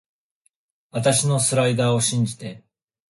あたしのスライダーを信じて